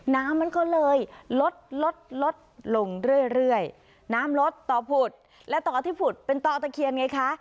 น้ำมันก็เลยลดลดลดลงเรื่อยเรื่อยน้ำลดต่อผุดและต่อที่ผุดเป็นต่อตะเคียนไงคะ